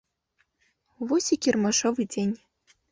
Вось і кірмашовы дзень.